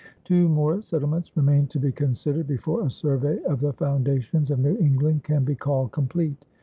Two more settlements remain to be considered before a survey of the foundations of New England can be called complete.